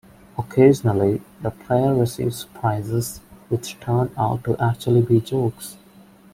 Occasionally, the player receives "prizes" which turn out to actually be jokes.